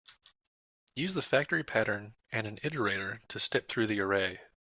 Use the factory pattern and an iterator to step through the array.